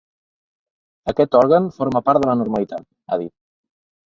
Aquest òrgan forma part de la normalitat, ha dit.